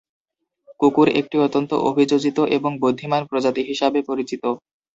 কুকুর একটি অত্যন্ত অভিযোজিত এবং বুদ্ধিমান প্রজাতি হিসাবে পরিচিত।